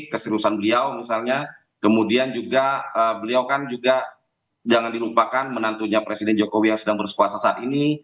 keseriusan beliau misalnya kemudian juga beliau kan juga jangan dilupakan menantunya presiden jokowi yang sedang berkuasa saat ini